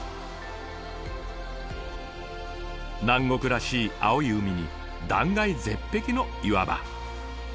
南国らしい青い海に断崖絶壁の岩場。